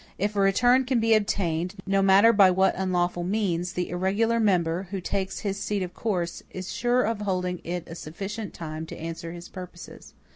If a return can be obtained, no matter by what unlawful means, the irregular member, who takes his seat of course, is sure of holding it a sufficient time to answer his purposes.